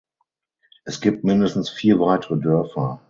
Es gibt mindestens vier weitere Dörfer.